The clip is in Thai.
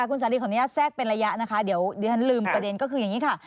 ค่ะคุณสาธิของนี่แทรกเป็นระยะนะคะเดี๋ยวท่านลืมประเด็นก็คืออย่างนี้ค่ะ